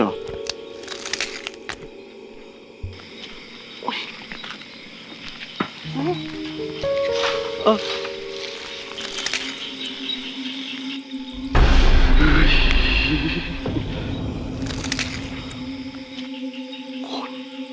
น้า